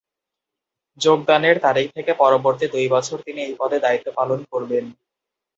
যোগদানের তারিখ থেকে পরবর্তী দুই বছর তিনি এই পদে দায়িত্ব পালন করবেন।